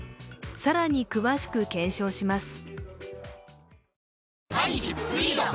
更に詳しく検証します。